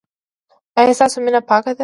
ایا ستاسو مینه پاکه ده؟